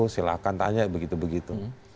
silahkan tanya begitu begitu